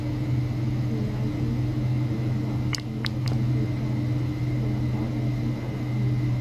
رینالډي: سټریګا نه، بلکې دا ګراپا ده چې خوند کوی.